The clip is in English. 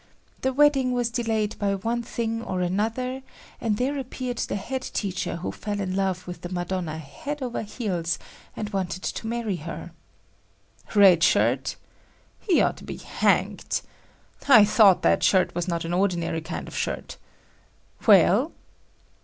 The wedding was delayed by one thing or another and there appeared the head teacher who fell in love with the Madonna head over heels and wanted to marry her." "Red Shirt? He ought be hanged. I thought that shirt was not an ordinary kind of shirt. Well?"